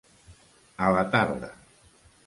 A la tarda.